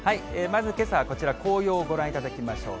まずけさはこちら、紅葉をご覧いただきましょう。